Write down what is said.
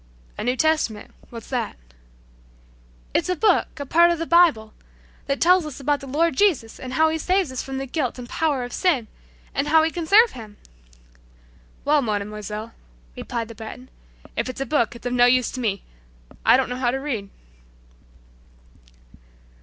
"A New Testament; what's that?" "It's a book a part of the Bible that tells us about the Lord Jesus, and how He saves us from the guilt and power of sin, and how we can serve Him." "Well, Mademoiselle," replied the Breton, "if it's a book, it's of no use to me. I don't know how to read!"